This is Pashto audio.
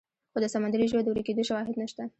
خو د سمندري ژوو د ورکېدو شواهد نشته.